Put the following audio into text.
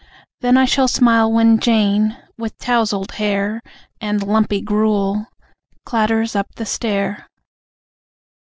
Then I shall smile when Jane, with towzled hair (And lumpy gruel!), clatters up the stair.